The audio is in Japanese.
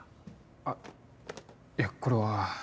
あっいやこれは。